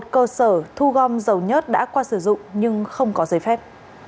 một xe ô tô thu gom dầu nhất đã qua sử dụng nhưng không có giấy phép